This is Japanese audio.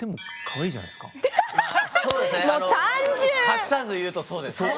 隠さず言うとそうですね。